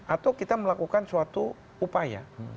atau kita melakukan suatu upaya